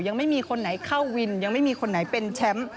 ยังไม่มีคนไหนเข้าวินยังไม่มีคนไหนเป็นแชมป์